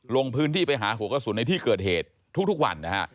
ลงพื้นที่ไปหาหัวกระสุนในที่เกิดเหตุทุกวันนะฮะ